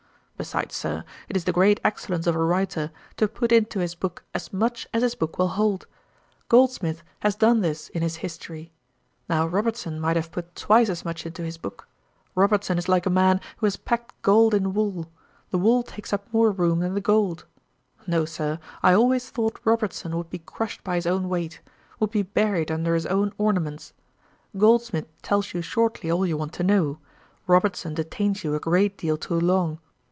Besides, Sir, it is the great excellence of a writer to put into his book as much as his book will hold. Goldsmith has done this in his History. Now Robertson might have put twice as much into his book. Robertson is like a man who has packed gold in wool: the wool takes up more room than the gold. No, Sir; I always thought Robertson would be crushed by his own weight, would be buried under his own ornaments. Goldsmith tells you shortly all you want to know: Robertson detains you a great deal too long.